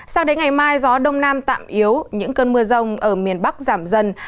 sao đến ngày mai gió đông nam tạm yếu những cơn mưa rông ở miền bắc giảm dần